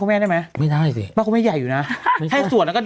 คุณแม่ได้ไหมไม่ได้สิบ้านคุณแม่ใหญ่อยู่น่ะให้ส่วนแล้วก็